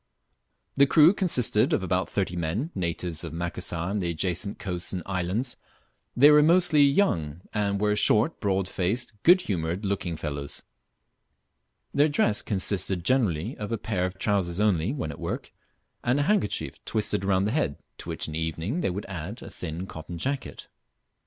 The crew consisted of about thirty men, natives of Macassar and the adjacent coasts and islands. They were mostly young, and were short, broad faced, good humoured looking fellows. Their dress consisted generally of a pair of trousers only, when at work, and a handkerchief twisted round the head, to which in the evening they would add a thin cotton jacket.